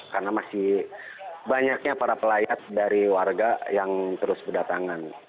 karena masih banyaknya para pelayat dari warga yang terus berdatangan